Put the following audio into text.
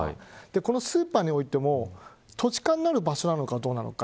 このスーパーにおいても土地勘のある場所なのかどうなのか。